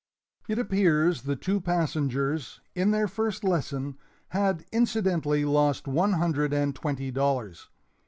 It appears the two passengers, in their first lesson, had incidentally lost one hundred and twenty dollars.